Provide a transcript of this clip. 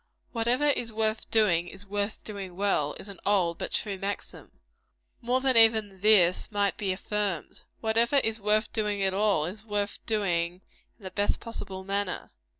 "Whatever is worth doing, is worth doing well," is an old but true maxim. More than even this might be affirmed. Whatever is worth doing at all, is worth doing in the best possible manner.